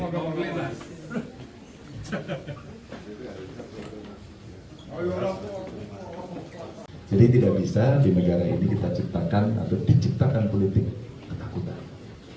jadi tidak bisa di negara ini kita ciptakan atau diciptakan politik ketakutan